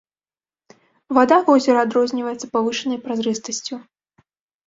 Вада возера адрозніваецца павышанай празрыстасцю.